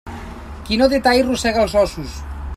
Qui no té tall rosega els ossos.